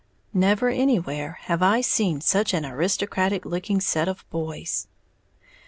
Never anywhere have I seen such an aristocratic looking set of boys.